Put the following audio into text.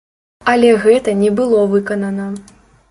Але гэта не было выканана.